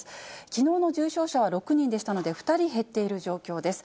きのうの重症者は６人でしたので、２人減っている状況です。